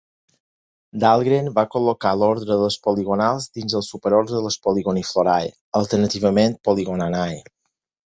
Dahlgren va col·locar l'ordre de les Poligonals dins del superordre de les Poligoniflorae, alternativament Poligonanae.